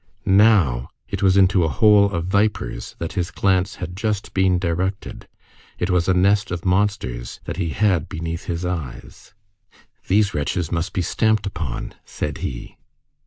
Now, it was into a hole of vipers that his glance had just been directed, it was a nest of monsters that he had beneath his eyes. "These wretches must be stamped upon," said he.